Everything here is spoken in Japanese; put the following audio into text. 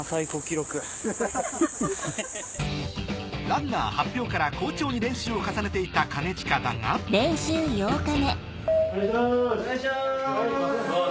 ランナー発表から好調に練習を重ねていた兼近だが・お願いします